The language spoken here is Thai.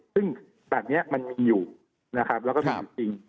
ซึ่งแบบนี้มันมีอยู่นะครับแล้วก็มีอยู่จริง